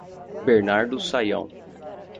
Bernardo Sayão